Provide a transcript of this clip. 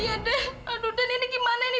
iya den aduh den ini gimana nih